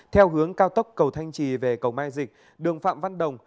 theo hướng cao tốc cầu thanh trì về cầu mai dịch đường phạm văn đồng